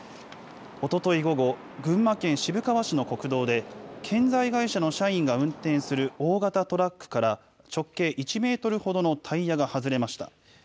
おととい午後、群馬県渋川市の国道で、建材会社の社員が運転する大型トラックから、直径１メートルほどのタイヤが外れました。